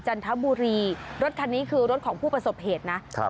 จันทบุรีรถคันนี้คือรถของผู้ประสบเหตุนะครับ